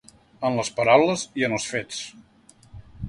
En les paraules i en els fets.